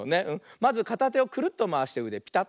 まずかたてをクルッとまわしてうでピタッ。